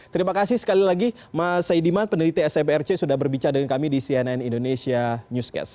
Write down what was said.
terima kasih sekali lagi mas hedi man peneliti sprc sudah berbicara dengan kami di cnn indonesia newscast